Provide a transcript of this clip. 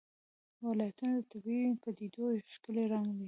ولایتونه د طبیعي پدیدو یو ښکلی رنګ دی.